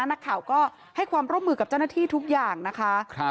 นักข่าวก็ให้ความร่วมมือกับเจ้าหน้าที่ทุกอย่างนะคะ